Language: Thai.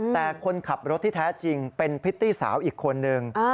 แต่คนขับรถที่แท้จริงเป็นพริตตี้สาวอีกคนนึง